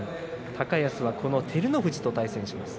高安はこの照ノ富士と対戦します。